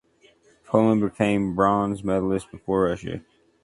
Poland became bronze medalist before Russia.